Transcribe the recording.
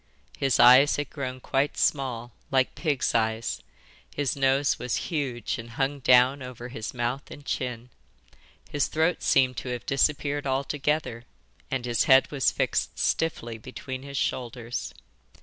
His eyes had grown quite small, like pigs' eyes, his nose was huge and hung down over his mouth and chin, his throat seemed to have disappeared altogether, and his head was fixed stiffly between his shoulders.